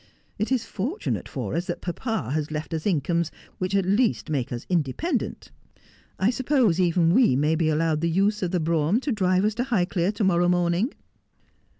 It is fortunate for ns that papa has left us incomes which at least make us independent. I suppose even we may be allowed the use of the brougham to drive us to Highclere to morrow morning.'